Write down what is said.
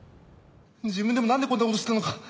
自分でもなんでこんな事をしたのか。